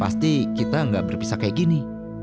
pasti kita nggak berpisah kayak gini